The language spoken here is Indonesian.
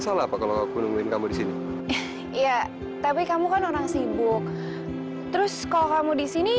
salah apa kalau aku nungguin kamu disini iya tapi kamu kan orang sibuk terus kalau kamu di sini